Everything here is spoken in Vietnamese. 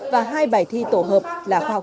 và hai bài thi tổ hợp là khoa học